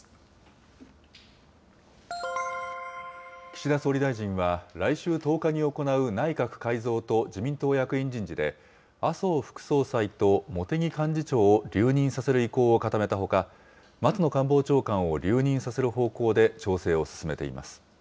岸田総理大臣は、来週１０日に行う内閣改造と自民党役員人事で、麻生副総裁と茂木幹事長を留任させる意向を固めたほか、松野官房長官を留任させる方向で調整を進めています。